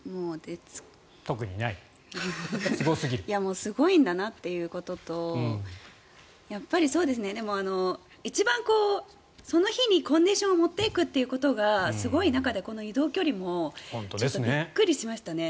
すごいんだなということと一番、その日にコンディションを持っていくことがすごい中で、移動距離もびっくりしましたね。